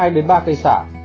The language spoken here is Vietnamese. giúp tăng sức đề kháng